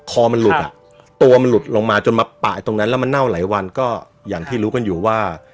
คอมันหลุดอ่ะตัวมันหลุดลงมาจนมาปะตรงนั้นแล้วมันเน่าหลายวันก็อย่างที่รู้กันอยู่ว่า